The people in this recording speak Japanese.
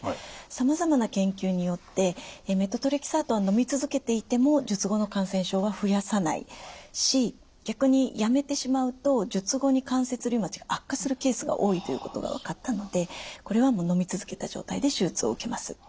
さまざまな研究によってメトトレキサートはのみ続けていても術後の感染症は増やさないし逆にやめてしまうと術後に関節リウマチが悪化するケースが多いということが分かったのでこれはもうのみ続けた状態で手術を受けます。